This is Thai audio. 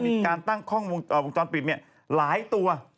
มีการตั้งกล้องวงจรปิดหลายตัว